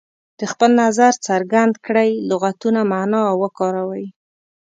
د خپل نظر څرګند کړئ لغتونه معنا او وکاروي.